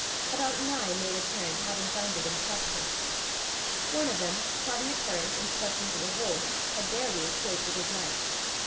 About nine they returned, having found it impossible. One of them, caught in a current and swept into a hole, had barely escaped with his life.